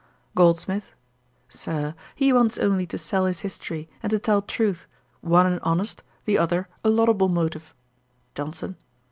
GOLDSMITH. 'Sir, he wants only to sell his history, and to tell truth; one an honest, the other a laudable motive.' JOHNSON.